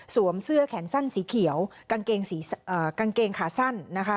เสื้อแขนสั้นสีเขียวกางเกงขาสั้นนะคะ